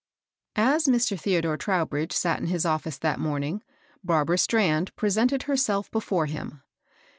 S Mr. Theodore Trowbridge sat in his office that morning, Barbara Strand pre sented herself before him.